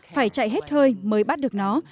phải chạy hết hơi mới bắt được nó